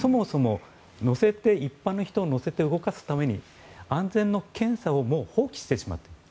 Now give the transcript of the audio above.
そもそも一般の人を乗せて動かすために安全の検査を放棄してしまっている。